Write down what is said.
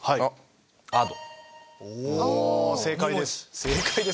正解です。